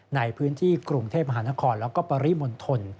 ในพื้นที่กรุงเทพมหานครแล้วก็ปริมณฑล